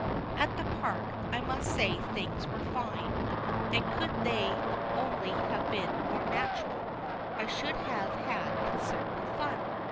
At the park I must say things were fine, and could they only have been more natural, I should have had considerable fun.